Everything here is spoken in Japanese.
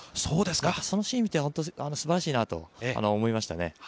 やっぱり、そのシーンを見て、本当にすばらしいなと思いましたね。